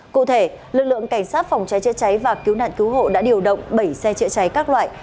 cụ thể lực lượng cảnh sát phòng cháy chữa cháy và cứu nạn cứu hộ đã điều động bảy xe chữa cháy các loại